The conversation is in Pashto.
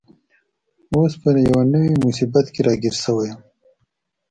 اوس په یوه نوي مصیبت کي راګیر شوی یم.